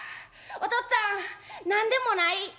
おとっつぁん何でもない」。